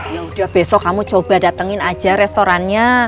yaudah besok kamu coba datengin aja restorannya